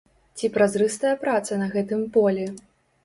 Ці празрыстая праца на гэтым полі?